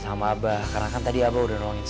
sama abah karena kan tadi abah udah no incentive